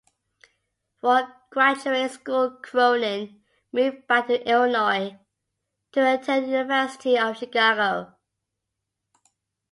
For graduate school Cronin moved back to Illinois to attend the University of Chicago.